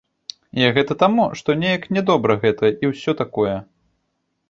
Я гэта таму, што неяк не добра гэта і ўсё такое.